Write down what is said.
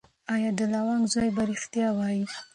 ایا د لونګ زوی به ریښتیا وایي؟